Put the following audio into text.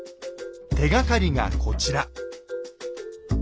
手がかりがこちら。